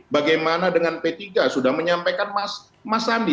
bagaimana dengan p tiga sudah menyampaikan mas sandi